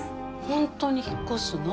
本当に引っ越すの？